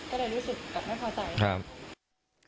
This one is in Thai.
ก็เลยรู้สึกกับไม่พอใจ